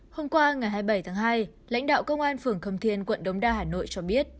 hôm qua ngày hai mươi bảy tháng hai lãnh đạo công an phường khâm thiên quận đống đa hà nội cho biết